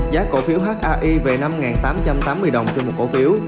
giá cổ phiếu hi về năm tám trăm tám mươi đồng trên một cổ phiếu